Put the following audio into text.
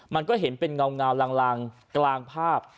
มันก็เห็นเป็นเงาลังกลางภาพ